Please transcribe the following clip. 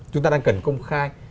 chúng ta đang cần công khai